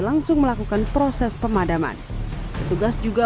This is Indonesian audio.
langsung melakukan proses pemadaman petugas juga